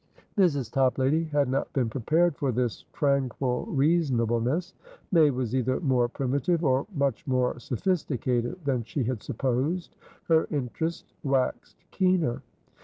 Mrs. Toplady had not been prepared for this tranquil reasonableness. May was either more primitive, or much more sophisticated, than she had supposed. Her interest waxed keener.